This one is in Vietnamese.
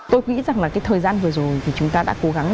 tôi nghĩ rằng là cái thời gian vừa rồi thì chúng ta đã cố gắng